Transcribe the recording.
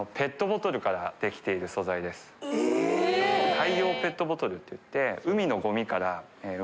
海洋ペットボトルっていって。